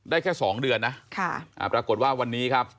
แค่๒เดือนนะปรากฏว่าวันนี้ครับ